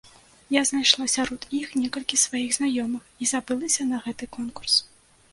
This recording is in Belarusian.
Я знайшла сярод іх некалькі сваіх знаёмых і забылася на гэты конкурс.